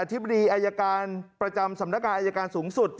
ธิบดีอายการประจำสำนักการอายการสูงสุด